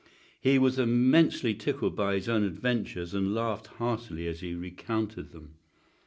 He was immensely tickled by his own adventures, and laughed heartily as he recounted them.